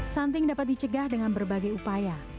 stunting dapat dicegah dengan berbagai upaya